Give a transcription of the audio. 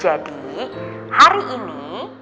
jadi hari ini